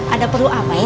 ada perlu apa ya